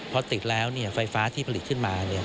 เพราะติดแล้วเนี่ยไฟฟ้าที่ผลิตขึ้นมา